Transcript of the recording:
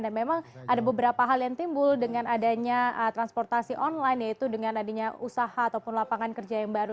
dan memang ada beberapa hal yang timbul dengan adanya transportasi online yaitu dengan adanya usaha ataupun lapangan kerja yang baru